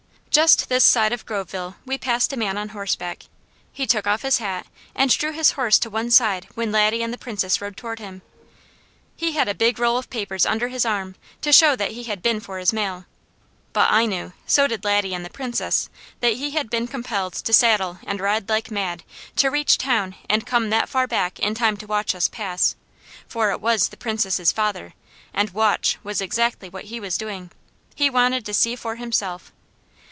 Just this side of Groveville we passed a man on horseback. He took off his hat and drew his horse to one side when Laddie and the Princess rode toward him. He had a big roll of papers under his arm, to show that he had been for his mail. But I knew, so did Laddie and the Princess, that he had been compelled to saddle and ride like mad, to reach town and come that far back in time to watch us pass; for it was the Princess' father, and WATCH was exactly what he was doing; he wanted to see for himself.